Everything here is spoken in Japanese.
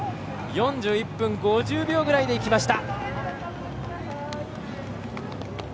４１分５０秒ぐらいでいきました。